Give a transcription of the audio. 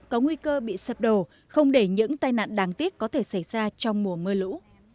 có nguy cơ bị sập đổ không để những tai nạn đáng tiếc có thể xảy ra trong mùa mưa lũ